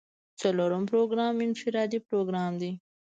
څلورم پروګرام انفرادي پروګرام دی.